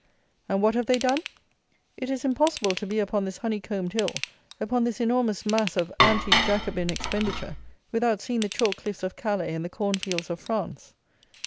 And what have they done? It is impossible to be upon this honey combed hill, upon this enormous mass of anti jacobin expenditure, without seeing the chalk cliffs of Calais and the corn fields of France.